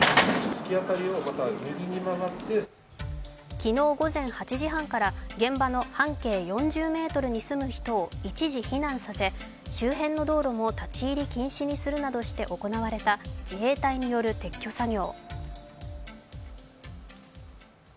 昨日午前８時半から、現場の半径４０ｍに住む人を一時避難させ、周辺の道路も立ち入り禁止にするなどして行われた自衛隊による撤去作業。